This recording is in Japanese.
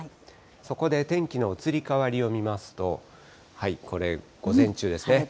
そこで天気の移り変わりを見ますと、これ、午前中ですね。